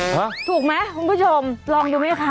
ฮะถูกไหมคุณผู้ชมลองดูไหมคะ